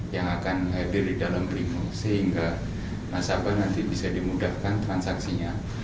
yang akan hadir di dalam brimo sehingga nasabah nanti bisa dimudahkan transaksinya